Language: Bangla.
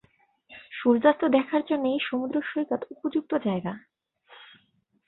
সূর্যাস্ত দেখার জন্য এই সমুদ্র সৈকত উপযুক্ত জায়গা।